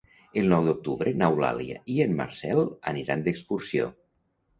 El nou d'octubre n'Eulàlia i en Marcel aniran d'excursió.